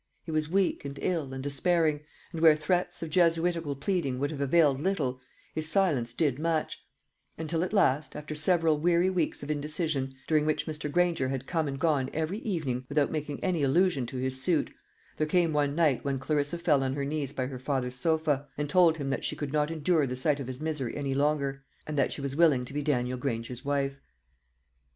He was weak and ill and despairing, and where threats or jesuitical pleading would have availed little, his silence did much; until at last, after several weary weeks of indecision, during which Mr. Granger had come and gone every evening without making any allusion to his suit, there came one night when Clarissa fell on her knees by her father's sofa, and told him that she could not endure the sight of his misery any longer, and that she was willing to be Daniel Granger's wife.